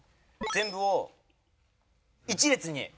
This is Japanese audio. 全部を１列に。